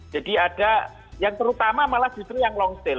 jadi ada yang terutama malah justru yang long sale